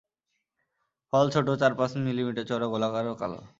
ফল ছোট, চার-পাঁচ মিলিমিটার চওড়া, গোলাকার ও কালো।